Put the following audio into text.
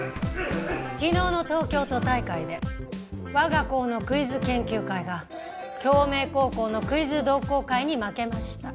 昨日の東京都大会で我が校のクイズ研究会が京明高校のクイズ同好会に負けました。